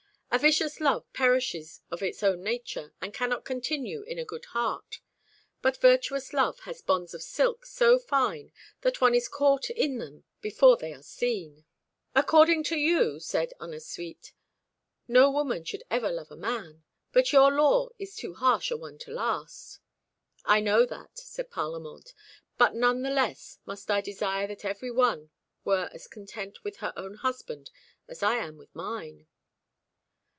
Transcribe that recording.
A vicious love perishes of its own nature, and cannot continue in a good heart, but virtuous love has bonds of silk so fine that one is caught in them before they are seen." "According to you," said Ennasuite, "no woman should ever love a man; but your law is too harsh a one to last." "I know that," said Parlamente, "but none the less must I desire that every one were as content with her own husband as I am with mine."